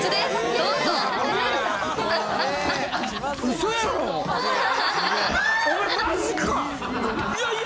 嘘やろ！？